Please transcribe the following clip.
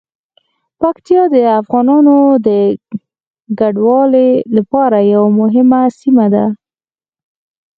پکتیا د افغانانو د کډوالۍ لپاره یوه مهمه سیمه ده.